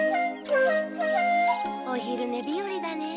おひるねびよりだね。